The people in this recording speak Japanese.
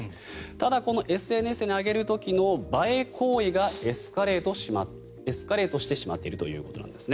ただ、このＳＮＳに上げる時の映え行為がエスカレートしてしまっているということです。